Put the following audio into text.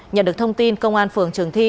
nhận được thông tin công an phường trường thi